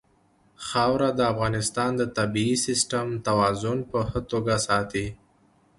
خاوره د افغانستان د طبعي سیسټم توازن په ښه توګه ساتي.